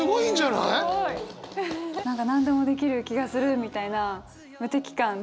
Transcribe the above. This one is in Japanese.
すごい！何か何でもできる気がするみたいな無敵感。